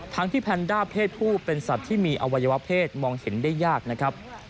ทั้งที่แพนด้าเพศผู้เป็นสัตว์ที่มีอวัยวะเพศมองเห็นได้ยากนะครับ